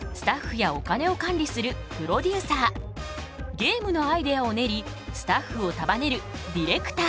ゲームのアイデアを練りスタッフを束ねるディレクター。